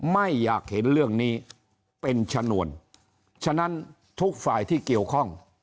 ไม่อยากเห็นเรื่องนี้เป็นชนวนฉะนั้นทุกฝ่ายที่เกี่ยวข้อง